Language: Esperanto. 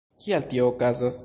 Kial tio okazas?